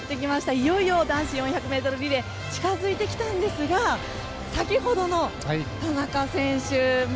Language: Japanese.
いよいよ男子４００ｍリレー近づいてきたんですが先ほどの、田中選手。